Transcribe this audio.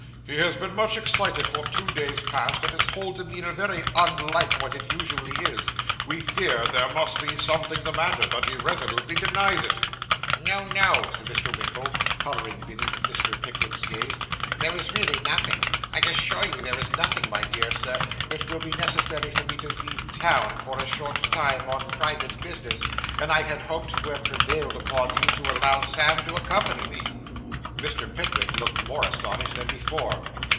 'He has been much excited for two days past, and his whole demeanour very unlike what it usually is. We feared there must be something the matter, but he resolutely denies it.' 'No, no,' said Mr. Winkle, colouring beneath Mr. Pickwick's gaze; 'there is really nothing. I assure you there is nothing, my dear sir. It will be necessary for me to leave town, for a short time, on private business, and I had hoped to have prevailed upon you to allow Sam to accompany me.' Mr. Pickwick looked more astonished than before.